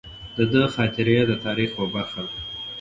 د ده خاطرې د تاریخ یوه برخه ده.